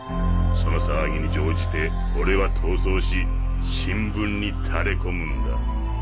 その騒ぎに乗じて俺は逃走し新聞にタレ込むんだ。